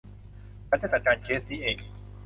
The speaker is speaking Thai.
ฉันจะจัดการเคสนี้เอง